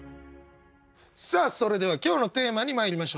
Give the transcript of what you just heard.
さあそれでは今日のテーマにまいりましょう。